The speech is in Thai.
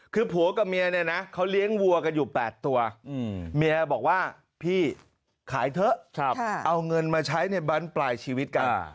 คือผัวกับเมียเนี่ยนะเขาเลี้ยงวัวกันอยู่๘ตัวเมียบอกว่าพี่ขายเถอะเอาเงินมาใช้ในบั้นปลายชีวิตกัน